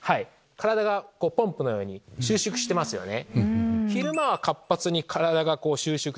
体がポンプのように収縮してますよね。